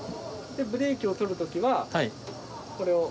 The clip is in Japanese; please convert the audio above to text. ブレーキをとる時はこれを。